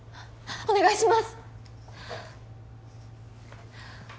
お願いします